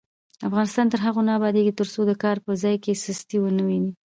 افغانستان تر هغو نه ابادیږي، ترڅو د کار په ځای کې سستي ونه وینو.